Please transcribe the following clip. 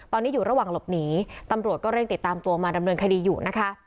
ตอนนี้อยู่ระหว่างหลบหนีตำรวจก็เร่งติดตามตัวมาดำเนินคดีอยู่นะคะ